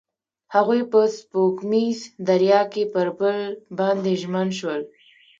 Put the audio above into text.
هغوی په سپوږمیز دریا کې پر بل باندې ژمن شول.